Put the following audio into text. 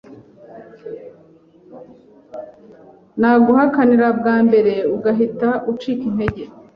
naguhakanira bwa mbere ugahita ucika intege